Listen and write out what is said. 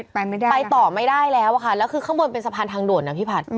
ไปต่อไม่ได้แล้วค่ะแล้วคือข้างบนเป็นสะพานทางโดดนะพี่ผัท